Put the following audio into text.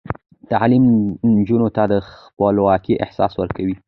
تعلیم نجونو ته د خپلواکۍ احساس ورکوي.